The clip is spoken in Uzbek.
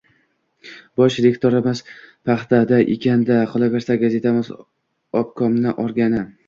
— Bosh redaktorimiz paxtada ekan-da. Qolaversa, gazetamiz obkomni organi.